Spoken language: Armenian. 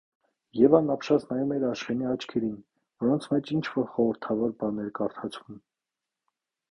Եվան ապշած նայում էր Աշխենի աչքերին, որոնց մեջ ինչ-որ խորհրդավոր բան էր կարդացվում: